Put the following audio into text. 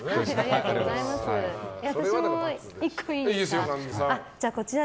私も１個いいですか。